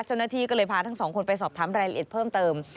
เจ้าหน้าที่ก็เลยพาทั้งสองคนไปสอบถามรายละเอียดเพิ่มเติม